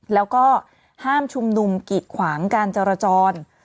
แล้วก็ห้ามชุมนุมกิดขวางการจรจร